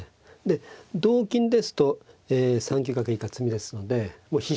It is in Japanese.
で同金ですと３九角以下詰みですのでもう必至。